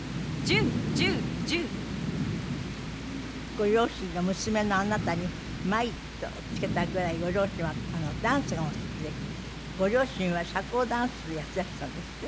ご両親が娘のあなたに「舞」と付けたぐらいご両親はダンスがお好きでご両親は社交ダンスやっていらしたんですって？